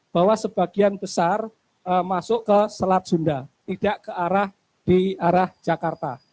bahwa sebagian besar masuk ke selat sunda tidak ke arah di arah jakarta